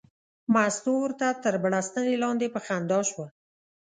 مستو ورته تر بړستنې لاندې په خندا شوه.